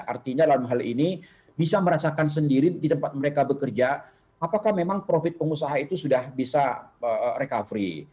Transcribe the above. artinya dalam hal ini bisa merasakan sendiri di tempat mereka bekerja apakah memang profit pengusaha itu sudah bisa recovery